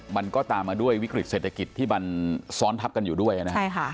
มันก็ตามมาด้วยวิกฤตเศรษฐกิจที่มันซ้อนทับกันอยู่ด้วยนะครับ